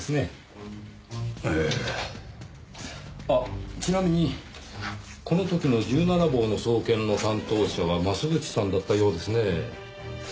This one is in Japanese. あっちなみにこの時の１７房の捜検の担当者は増渕さんだったようですねぇ。